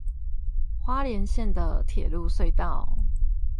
花蓮縣的鐵路隧道